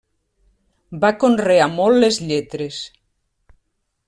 Va conrear molt les lletres.